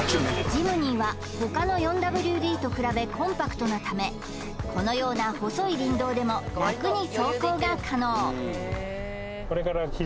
ジムニーはほかの４ＷＤと比べコンパクトなためこのような細い林道でも楽に走行が可能